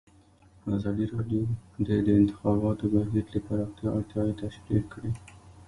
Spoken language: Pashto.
ازادي راډیو د د انتخاباتو بهیر د پراختیا اړتیاوې تشریح کړي.